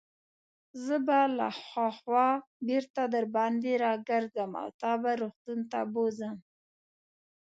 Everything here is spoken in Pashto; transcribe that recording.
زه به له هاخوا بیرته درباندې راګرځم او تا به روغتون ته بوزم.